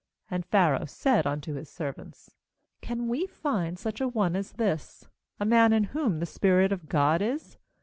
38And Pharaoh said unto his servants :' Can we find such a one as this, a man in whom the spirit of God is?